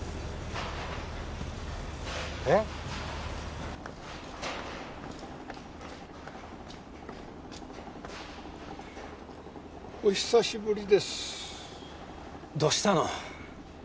えっ？お久しぶりですどうしたの？